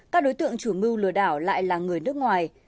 các đối tượng chủ mưu lừa đảo lại là người nước ngoài